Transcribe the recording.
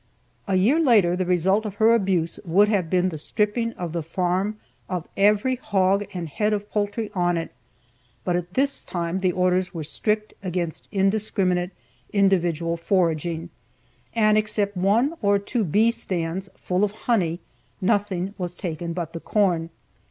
A year later, the result of her abuse would have been the stripping of the farm of every hog and head of poultry on it, but at this time the orders were strict against indiscriminate, individual foraging, and except one or two bee stands full of honey, nothing was taken but the corn.